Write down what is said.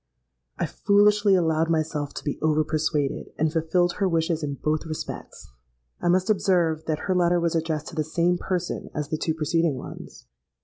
I foolishly allowed myself to be over persuaded, and fulfilled her wishes in both respects. I must observe that her letter was addressed to the same person as the two preceding ones.